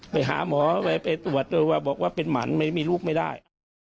ไปหาหมอไปตรวจด้วยว่าบอกว่าเป็นหมันไม่มีลูกไม่ได้